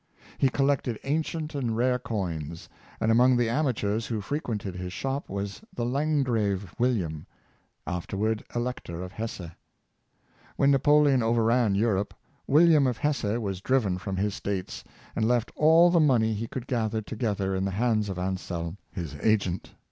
He collected ancient Their Honesty. 373 and rare coins, and among the amateurs who frequented his shop was the Landgrave William, afterward Elector of Hesse. When Napoleon overran Europe, William of Hesse was driven from his states, and left all the money he could gather together in the hands of Anselm, his agent.